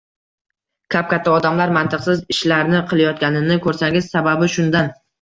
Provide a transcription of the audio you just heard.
Kap-katta odamlar mantiqsiz ishlarni qilayotganini ko‘rsangiz, sababi shundan.